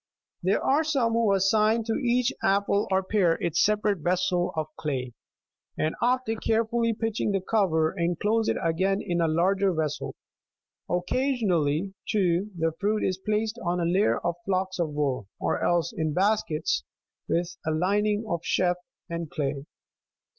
36 There are some who assign to each apple or pear its separate vessel of clay, and after care fully pitching the cover, enclose it again in a larger vessel : occasionally, too, the fruit is iDlaced on a layer of flocks of wool, or else in baskets,37 with a lining of chaff and clay.